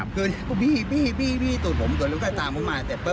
พอพี่สูตรผมวิ่งไปตามผมมา